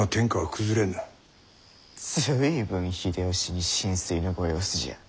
随分秀吉に心酔のご様子じゃ。